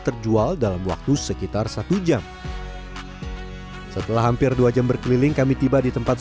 terjual dalam waktu sekitar satu jam setelah hampir dua jam berkeliling kami tiba di tempat